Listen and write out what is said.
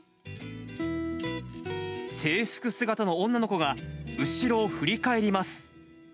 制服姿の女の子が後ろを振り返ります。